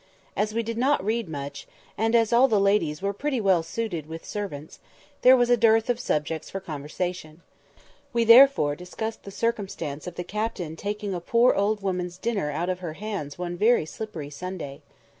As we did not read much, and as all the ladies were pretty well suited with servants, there was a dearth of subjects for conversation. We therefore discussed the circumstance of the Captain taking a poor old woman's dinner out of her hands one very slippery Sunday.